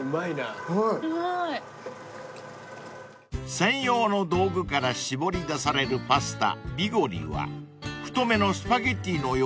［専用の道具から絞り出されるパスタビゴリは太めのスパゲティのような形状］